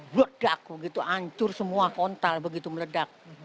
ledak begitu hancur semua kontal begitu meledak